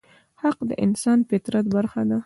حق د انسان د فطرت برخه ده.